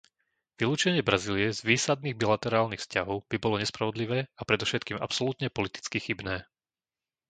Vylúčenie Brazílie z výsadných bilaterálnych vzťahov by bolo nespravodlivé a predovšetkým absolútne politicky chybné.